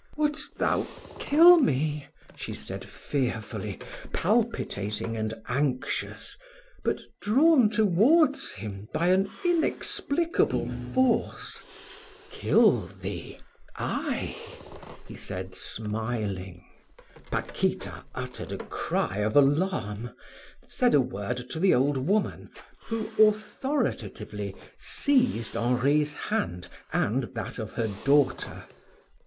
"Wouldst thou kill me?" she said fearfully, palpitating and anxious, but drawn towards him by an inexplicable force. "Kill thee I!" he said, smiling. Paquita uttered a cry of alarm, said a word to the old woman, who authoritatively seized Henri's hand and that of her daughter.